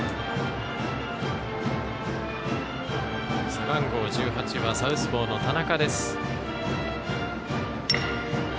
背番号１８はサウスポーの田中。